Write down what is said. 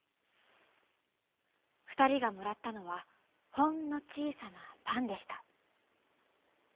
ふたりがもらったのはほんのちいさなパンでした。